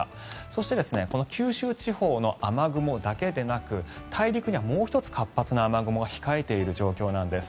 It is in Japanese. そして九州地方の雨雲だけでなく大陸にはもう１つ、活発な雨雲が控えている状況なんです。